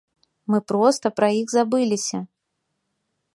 Мы проста пра іх забыліся.